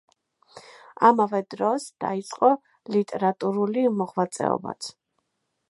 ამავე დროს დაიწყო ლიტერატურული მოღვაწეობაც.